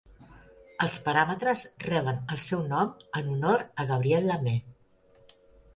Els paràmetres reben el seu nom en honor a Gabriel Lamé.